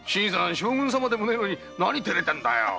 将軍様でもねぇのに何てれてんだよ。